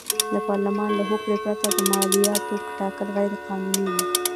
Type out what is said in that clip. د پارلمان له هوکړې پرته مالیاتو ټاکل غیر قانوني و.